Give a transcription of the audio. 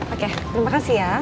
oke terima kasih ya